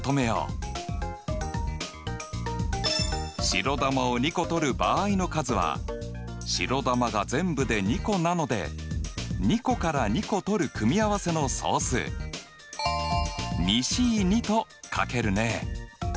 白球を２個取る場合の数は白球が全部で２個なので２個から２個取る組み合わせの総数と書けるね。